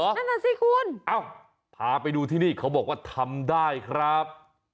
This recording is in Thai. เอ้าพาไปดูที่นี่เค้าบอกว่าทำได้ครับ